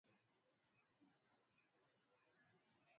ni kuwalinda wananchi na kuleta mawa na kuuleta